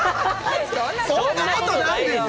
そんなことないですよ。